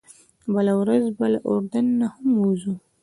بله ورځ به له اردن نه هم ووځو.